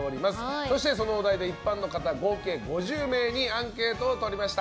そしてそのお題で一般の方合計５０名にアンケートをとりました。